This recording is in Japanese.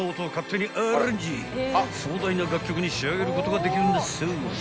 ［壮大な楽曲に仕上げることができるんだそう］